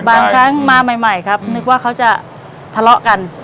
บางครั้งมาใหม่ครับนึกว่าเขาจะทะเลาะกัน